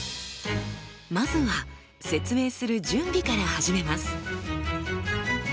まずは説明する準備から始めます。